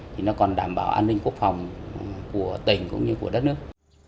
thì nó còn đảm bảo an ninh quốc phòng của tỉnh cũng như của đất nước